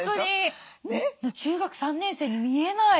中学３年生に見えない。